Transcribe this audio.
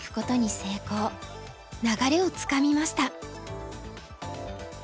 流れをつかみました。